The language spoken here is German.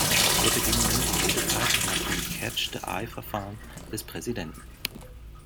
Wir beginnen nun die Redezeit nach dem "Catch the eye"Verfahren des Präsidenten.